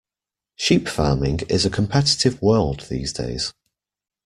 Sheep farming is a competitive world these days.